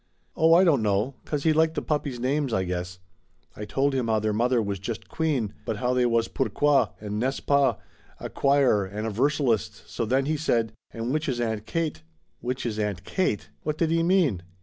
"Oh, I don't know. 'Cause he liked the puppies' names, I guess. I told him how their mother was just Queen, but how they was Pourquoi and N'est ce pas a 'quirer and 'versalist and so then he said: 'And which is Aunt Kate?'" "Which is Aunt Kate? What did he mean?"